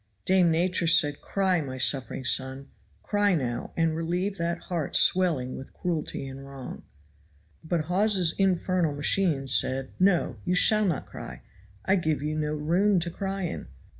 Dame Nature said, "Cry, my suffering son, cry now, and relieve that heart swelling with cruelty and wrong." But Hawes's infernal machine said, "No, you shall not cry. I give you no room to cry in."